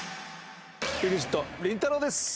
ＥＸＩＴりんたろー。です。